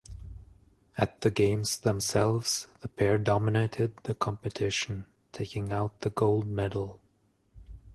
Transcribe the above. At the games themselves, the pair dominated the competition, taking out the gold medal.